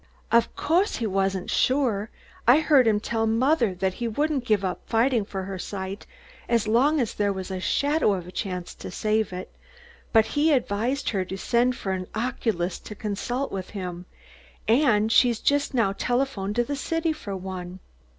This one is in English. "Of co'se he wasn't suah. I heard him tell mothah that he wouldn't give up fighting for her sight as long as there was a shadow of a chance to save it, but he advised her to send for an oculist to consult with him, and she's just now telephoned to the city for one."